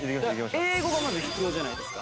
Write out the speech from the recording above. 英語がまず必要じゃないですか。